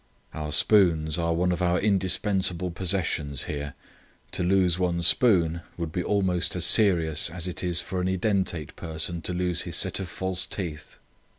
"Our spoons are one of our indispensable possessions here. To lose one's spoon would be almost as serious as it is for an edentate person to lose his set of false teeth."